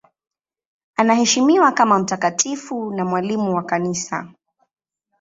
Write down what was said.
Anaheshimiwa kama mtakatifu na mwalimu wa Kanisa.